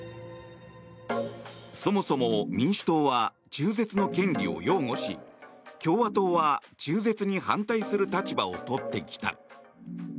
そもそも、民主党は中絶の権利を擁護し共和党は中絶に反対する立場をとってきた。